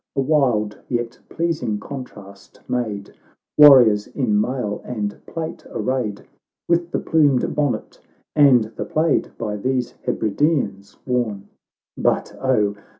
A wild, yet pleasing contrast, made Warriors in mail and plate arrayed, "With the plumed bonnet and the plaid By these Hebrideans worn ; But O !